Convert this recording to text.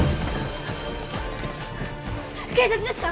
警察ですか！？